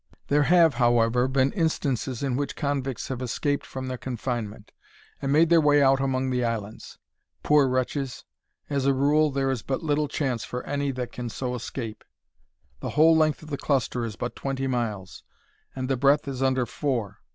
There have, however, been instances in which convicts have escaped from their confinement, and made their way out among the islands. Poor wretches! As a rule, there is but little chance for any that can so escape. The whole length of the cluster is but twenty miles, and the breadth is under four.